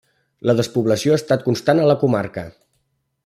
La despoblació ha estat constant a la comarca.